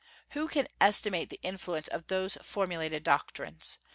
Who can estimate the influence of those formulated doctrines?